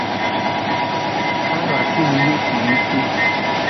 Ha na-asị na ihe siri ike